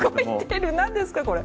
何ですかこれ？